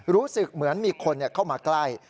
รู้สึกเหมือนมีคนเข้ามาใกล้